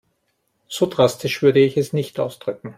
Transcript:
So drastisch würde ich es nicht ausdrücken.